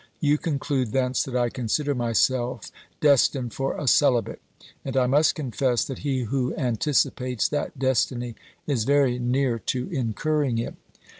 You conclude thence that I consider myself destined for a celibate, and I must confess that he who anticipates that destiny is very near to incurring it.